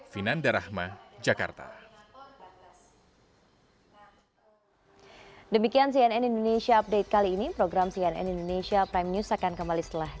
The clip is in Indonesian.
finanda rahma jakarta